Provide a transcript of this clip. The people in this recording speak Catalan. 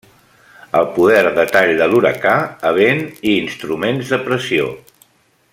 El poder de tall de l'huracà a vent i instruments de pressió.